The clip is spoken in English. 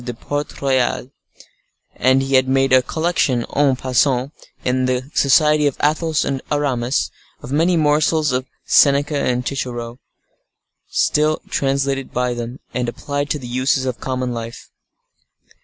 de Port Royal; and he had made a collection, en passant, in the society of Athos and Aramis, of many morsels of Seneca and Cicero, translated by them, and applied to the uses of common life.